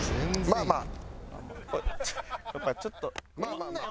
まあまあ。